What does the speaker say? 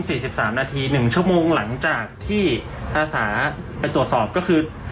ฮาทุ่มสี่สิบสามนาทีหนึ่งชั่วโมงหลังจากที่ทราบรับตอบสอบก็คือ